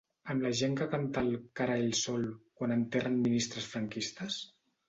Amb la gent que canta el “Cara el sol” quan enterren ministres franquistes?